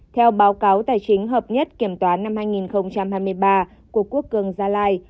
theo báo cáo tài chính hợp nhất kiểm toán năm hai nghìn hai mươi ba của quốc cường gia lai